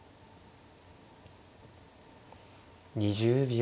２０秒。